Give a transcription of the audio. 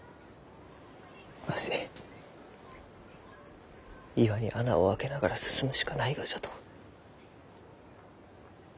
わし岩に穴を開けながら進むしかないがじゃと。